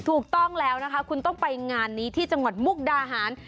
ถูกต้องแล้วนะคะคุณต้องไปงานนี้ที่จังหวัดมุกดาหาร